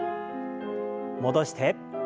戻して。